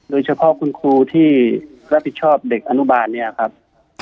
โดยเฉพาะคุณครูที่รับผิดชอบเด็กอนุบาลเนี่ยครับ